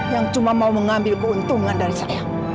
yang cuma mau mengambil keuntungan dari saya